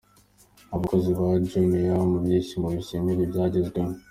Abakozi ba Jumia mu byishimo bishimira ibyagezweho.